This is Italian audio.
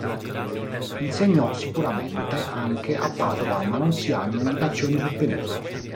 Insegnò sicuramente anche a Padova, ma non si hanno indicazioni sul periodo.